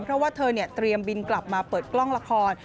เพราะว่าเธอเตรียมบินกลับมาเปิดกล้องละคร